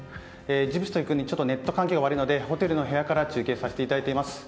ジブチという国はネット環境が悪いのでホテルから中継させていただいています。